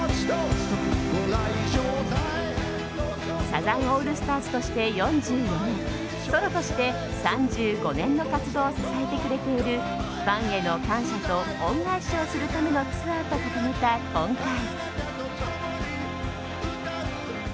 サザンオールスターズとして４４年ソロとして３５年の活動を支えてくれているファンへの感謝と恩返しをするためのツアーと掲げた今回。